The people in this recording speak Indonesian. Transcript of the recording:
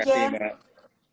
terima kasih mbak